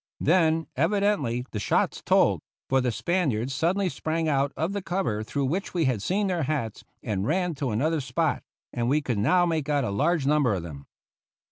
Then, evidently, the shots told, for the Spaniards suddenly sprang out of the cover through which we had seen their hats, and ran to another spot; and we could now make out a large number of them.